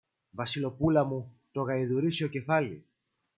Βασιλοπούλα μου, το γαϊδουρίσιο κεφάλι!